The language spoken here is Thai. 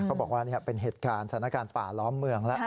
บอกว่าเป็นเหตุการณ์สถานการณ์ป่าล้อมเมืองแล้ว